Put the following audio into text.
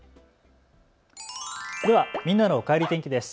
ではみんなのおかえり天気です。